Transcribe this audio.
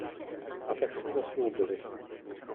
A tak se zasnoubili.